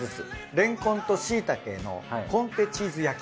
レンコンとしいたけのコンテチーズ焼き。